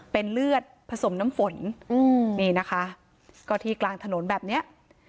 เป็นเลือดผสมน้ำฝนอืมนี่นะคะก็ที่กลางถนนแบบเนี้ย